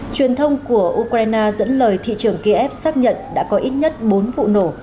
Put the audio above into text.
truyền thông của ukraine dẫn lời thị trường kiev xác nhận đã có ít nhất bốn vụ nổ